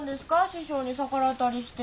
師匠に逆らったりして。